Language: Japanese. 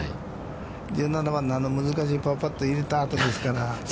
１７番の難しいパーパットを入れたあとですから。